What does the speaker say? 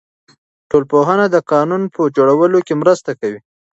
ټولنپوهنه د قانون په جوړولو کې مرسته کوي.